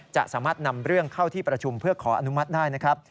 จะสามารถนำเรื่องเข้าที่ประชุมเพื่อขออนุมัติได้นะครับ